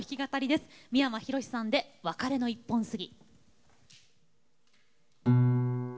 三山ひろしさんで「別れの一本杉」。